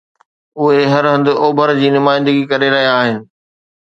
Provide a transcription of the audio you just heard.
اهي هر هنڌ اوڀر جي نمائندگي ڪري رهيا آهن